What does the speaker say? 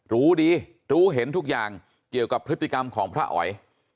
รู้ดีรู้เห็นทุกอย่างเกี่ยวกับพฤติกรรมของพระอ๋อย